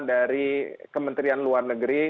dari kementerian luar negeri